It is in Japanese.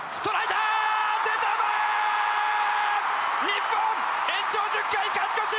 日本延長１０回勝ち越し！